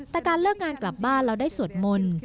แต่การเลิกงานกลับบ้านเราได้สวดมนต์